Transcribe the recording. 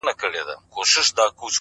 خوله د جناح ښه ده